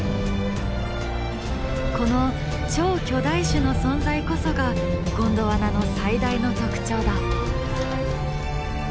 この超巨大種の存在こそがゴンドワナの最大の特徴だ。